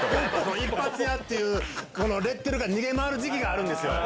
一発屋っていう、このレッテルが逃げ回る時期があるんですよ。